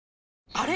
あれ？